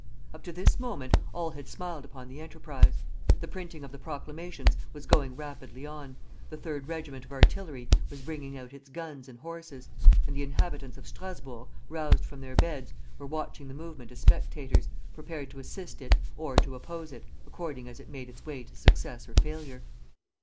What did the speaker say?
Up to this moment all had smiled upon the enterprise. The printing of the proclamations was going rapidly on, the third regiment of artillery was bringing out its guns and horses, and the inhabitants of Strasburg, roused from their beds, were watching the movement as spectators, prepared to assist it or to oppose it, according as it made its way to success or failure.